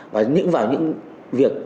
và những vào những việc